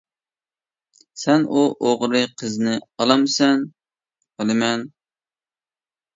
-سەن ئۇ ئوغرى قىزنى ئالامسەن؟ -ئالىمەن.